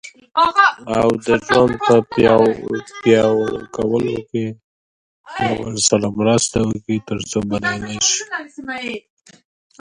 هغه قبر په قبر وګرځېد.